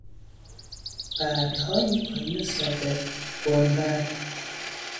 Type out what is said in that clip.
برگهای پایین ساقه، بنبرگ